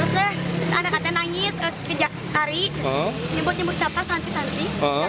terus ada yang nangis terus kejap tarik nyebut nyebut siapa santi santi